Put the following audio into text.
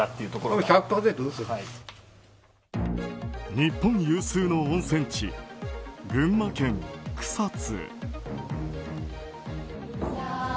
日本有数の温泉地、群馬県草津。